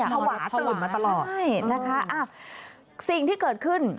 ภาวะเติบมาตลอดค่ะอ้าวสิ่งที่เกิดขึ้น